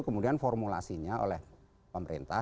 kemudian formulasinya oleh pemerintah